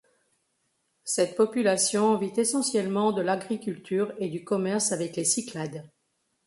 Cette population vit essentiellement de l'agriculture et du commerce avec les Cyclades.